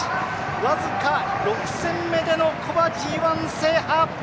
僅か６戦目での古馬ＧＩ制覇。